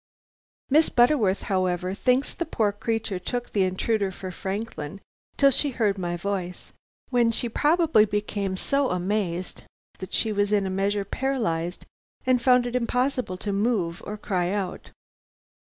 Miss Butterworth, however, thinks that the poor creature took the intruder for Franklin till she heard my voice, when she probably became so amazed that she was in a measure paralyzed and found it impossible to move or cry out.